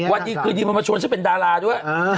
วันดีคืนดีมันมาชวนฉันเป็นดาราด้วย